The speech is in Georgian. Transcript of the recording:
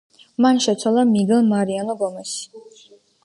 მან შეცვალა მიგელ მარიანო გომესი.